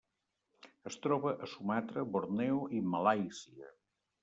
Es troba a Sumatra, Borneo i Malàisia.